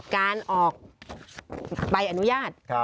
การออกใบอนุญาต